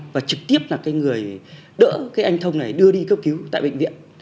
và trực tiếp là cái người đỡ cái anh thông này đưa đi cấp cứu tại bệnh viện